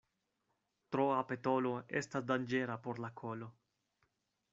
Troa petolo estas danĝera por la kolo.